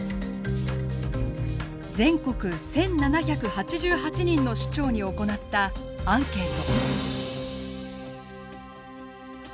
全国１，７８８人の首長に行ったアンケート。